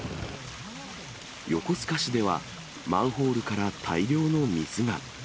横須賀市では、マンホールから大量の水が。